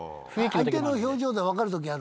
相手の表情で分かる時がある？